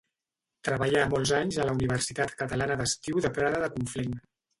Treballà molts anys a la Universitat Catalana d'Estiu de Prada de Conflent.